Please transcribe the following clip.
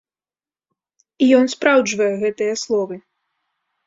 І ён спраўджвае гэтыя словы.